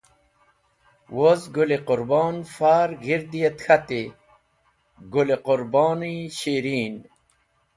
Woz Tosh Khon far g̃hirdi et k̃hati: Gũl-e Qũrbon-e Shirin!